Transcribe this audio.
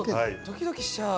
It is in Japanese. ドキドキしちゃう。